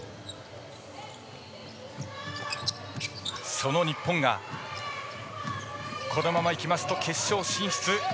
その日本がこのままいきますと決勝進出。